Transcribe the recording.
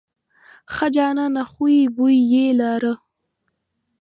ښه جانانه خوی بوی یې لاره.